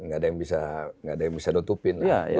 nggak ada yang bisa nutupin lah